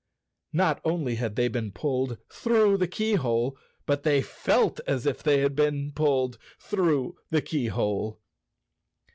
Not only had they been pulled through the keyhole, but they felt as if they had been pulled through the key¬ hole.